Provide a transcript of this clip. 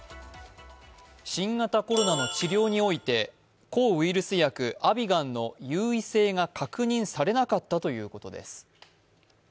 新型コロナの治療において抗ウイルス薬アビガン有意性が確認されなかったということです。